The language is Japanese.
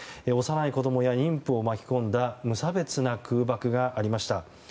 幼い子供や妊婦を巻き込んだ無差別な空爆がありました。